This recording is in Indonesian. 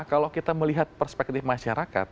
kalau kita melihat perspektif masyarakat